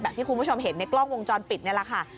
ที่คุณผู้ชมเห็นในกล้องวงจรปิดนี่แหละค่ะ